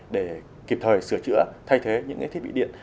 để kịp thời sửa chữa thay thế những thiết bị điện